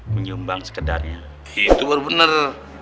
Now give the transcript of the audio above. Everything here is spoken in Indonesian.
menyumbang sekadarnya itu bener bener